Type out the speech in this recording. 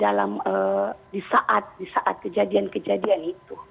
dalam di saat di saat kejadian kejadian itu